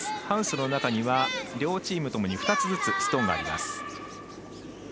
ハウスの中には両チームとも２つずつストーンがあります。